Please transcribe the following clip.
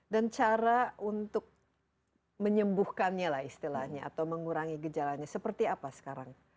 dan cara untuk menyembuhkannya lah istilahnya atau mengurangi gejalanya seperti apa sekarang